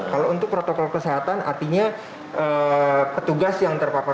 kalau untuk protokol kesehatan artinya petugas yang terpapar